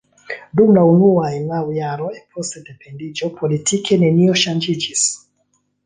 Dum la unuaj naŭ jaroj post sendependiĝo politike nenio ŝanĝiĝis.